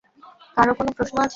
কারো কোনো প্রশ্ন আছে?